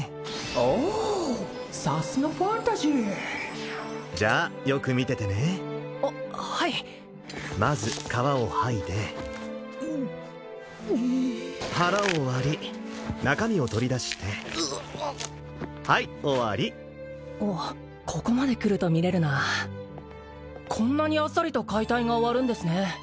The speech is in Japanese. オさすがファンタジーじゃあよく見ててねははいまず皮を剥いでうっええ腹を割り中身を取り出してうっはい終わりあっここまでくると見れるなこんなにあっさりと解体が終わるんですね